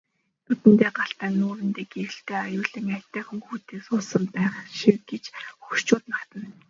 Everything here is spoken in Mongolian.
Нүдэндээ галтай нүүртээ гэрэлтэй аюулын аятайхан хүүтэй суусан байх шив гэж хөгшчүүд магтана.